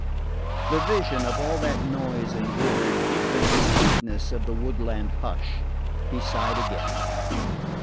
The vision of all that noise and glitter deepened the sweetness of the woodland hush. He sighed again.